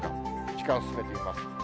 時間進めてみます。